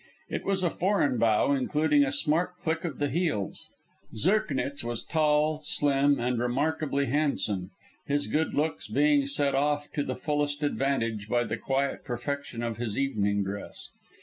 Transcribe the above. It was a foreign bow, including a smart click of the heels. Zirknitz was tall, slim, and remarkably handsome, his good looks being set off to the fullest advantage by the quiet perfection of his evening dress.